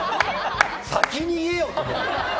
先に言えよ！って思って。